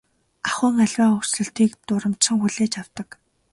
Ахуйн аливаа өөрчлөлтийг дурамжхан хүлээж авдаг.